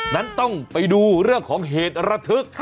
นั้นต้องไปดูเรื่องของเหตุระทึก